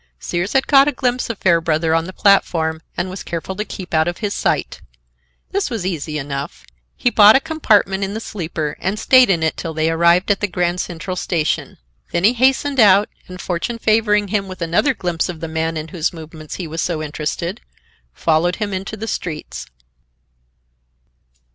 Sears had caught a glimpse of Fairbrother on the platform, and was careful to keep out of his sight. This was easy enough. He bought a compartment in the sleeper and stayed in it till they arrived at the Grand Central Station. Then he hastened out and, fortune favoring him with another glimpse of the man in whose movements he was so interested, followed him into the streets.